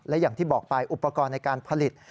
และอย่างที่บอกไปอุปกรณ์ในการผลิต